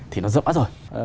thì nó rõ rõ rồi